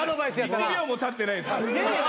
１秒もたってないです。